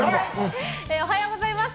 おはようございます